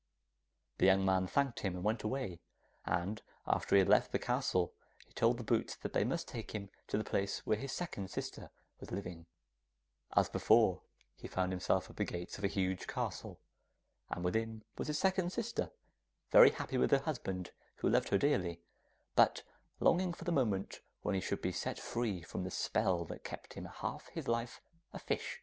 The young man thanked him and went away, and after he had left the castle he told the boots that they must take him to the place where his second sister was living. As before, he found himself at the gates of a huge castle, and within was his second sister, very happy with her husband, who loved her dearly, but longing for the moment when he should be set free from the spell that kept him half his life a fish.